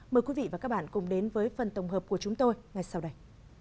mời quý vị và các bạn cùng đến với phần tổng hợp của chúng tôi ngay sau đây